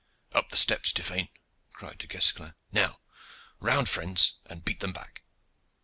"Up the steps, Tiphaine!" cried Du Guesclin. "Now round, friends, and beat them back!"